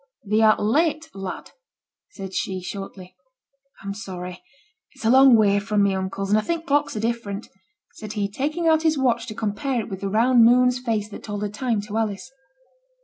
'Thee art late, lad,' said she, shortly. 'I'm sorry; it's a long way from my uncle's, and I think clocks are different,' said he, taking out his watch to compare it with the round moon's face that told the time to Alice.